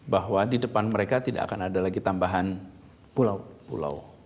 bahwa di depan mereka tidak akan ada lagi tambahan pulau